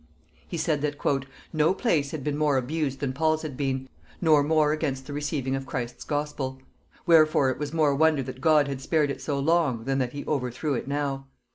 He said that "no place had been more abused than Paul's had been, nor more against the receiving of Christ's Gospel; wherefore it was more wonder that God had spared it so long, than that he overthrew it now....